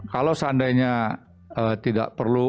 kalau seandainya tidak perlu